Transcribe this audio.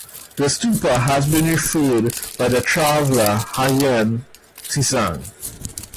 The stupa has been referred by traveller Hiuen Tsang.